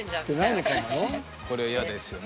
これは嫌ですよね。